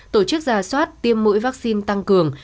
tổ chức ra soát tiêm mũi vaccine tăng cường